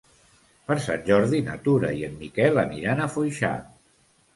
Per Sant Jordi na Tura i en Miquel aniran a Foixà.